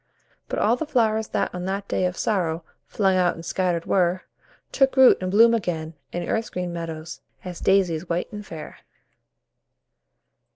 But all the flowers that on that day of sorrow, Flung out and scattered were, Took root and bloom again in earth's green meadows, As daisies white and fair.